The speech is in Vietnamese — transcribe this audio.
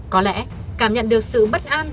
có lẽ cảm nhận được sự bất an